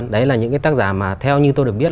đấy là những cái tác giả mà theo như tôi được biết